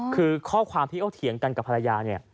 คือข้อความที่เขาเถียงกันกับภรรยาเนี่ย